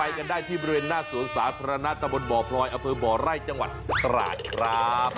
กันได้ที่บริเวณหน้าสวนสาธารณะตะบนบ่อพลอยอำเภอบ่อไร่จังหวัดตราดครับ